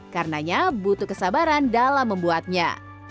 karenanya butuh kesabaran dalam membuatnya